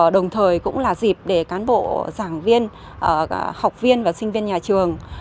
đồng thời cũng là dịp để cán bộ giảng viên học viên và sinh viên nhà trường